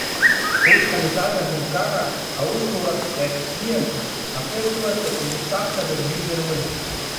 Усҟан ицаз, аҳәынҭқарра аусурахьҵәҟьахь ииасыз, ахеидкылаҿ изыԥсахшаз аӡәгьы днырмыжьт.